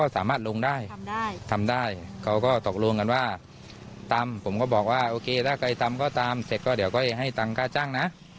ถ้าใครทำก็ตามเสร็จก็เดี๋ยวก็ให้ตังค่าจ้างนะ